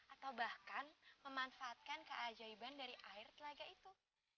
atau bahkan memanfaatkan keajaiban dari air telaga itu